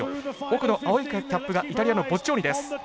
奥の青いキャップがイタリアのボッジョーニです。